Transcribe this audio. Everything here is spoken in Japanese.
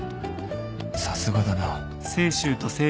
さすがだな